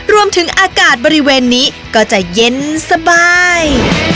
รวมถึงอากาศบริเวณนี้ก็จะเย็นสบาย